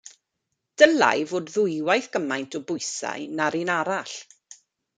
Dylai fod ddwywaith gymaint o bwysau na'r un arall.